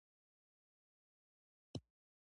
د مطلق العنان حکومت پروړاندې یې کلکه مبارزه کوله.